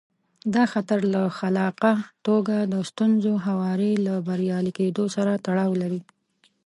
دا خطر له خلاقه توګه د ستونزو هواري له بریالي کېدو سره تړاو لري.